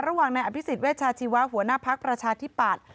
ระหว่างในอภิษฎเวชาชีวะหัวหน้าภักดิ์ประชาธิปัตย์